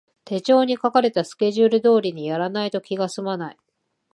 手帳に書かれたスケジュール通りにやらないと気がすまない